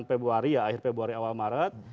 februari ya akhir februari awal maret